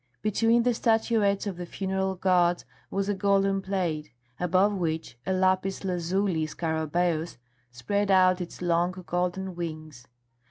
Between the statuettes of the funeral gods was a golden plate, above which a lapis lazuli scarabæus spread out its long golden wings.